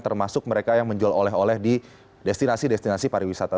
termasuk mereka yang menjual oleh oleh di destinasi destinasi pariwisata